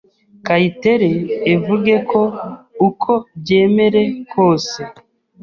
Keyitere evuge ko uko byemere kose